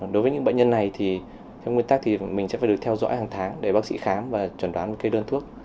đối với những bệnh nhân này thì theo nguyên tắc mình sẽ phải được theo dõi hàng tháng để bác sĩ khám và trần đoán đơn thuốc